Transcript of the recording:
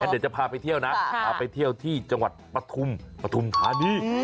เดี๋ยวจะพาไปเที่ยวนะพาไปเที่ยวที่จังหวัดปฐุมปฐุมธานี